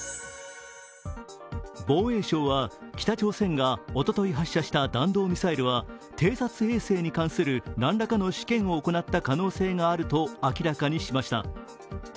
防衛省は、北朝鮮がおととい発射した弾道ミサイルは偵察衛星に関する何らかの試験を行った可能性があると明らかにしました。